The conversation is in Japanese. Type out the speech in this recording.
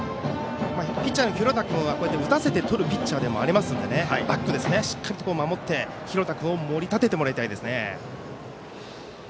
ピッチャーの廣田君は打たせてとるピッチャーでもありますのでしっかりと守って、廣田君を守り立ててもらいたいですね。